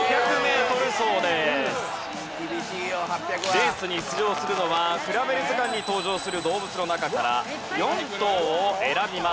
レースに出場するのは『くらべる図鑑』に登場する動物の中から４頭を選びます。